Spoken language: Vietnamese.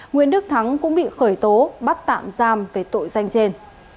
nguyễn đức thắng cũng bị khởi tố bắt tạm giam về tội danh trên